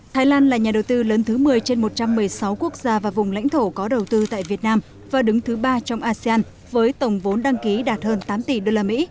thái lan là nhà đầu tư lớn thứ một mươi trên một trăm một mươi sáu quốc gia và vùng lãnh thổ có đầu tư tại việt nam và đứng thứ ba trong asean với tổng vốn đăng ký đạt hơn tám tỷ usd